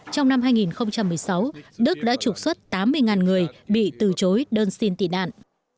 trong năm hai nghìn một mươi sáu đức đã trục xuất tám mươi người bị từ chối đơn xin tị nạn